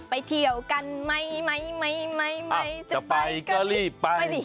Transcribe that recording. ไปเที่ยวกันไหมจะไปก็รีบไปดิ